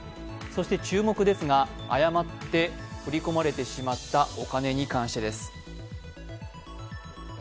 そして注目ですが、誤って振り込まれてしまったお金に関してです。